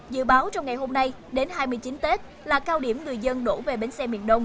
dự báo trong ngày hôm nay đến hai mươi chín tết là cao điểm người dân đổ về bến xe miền đông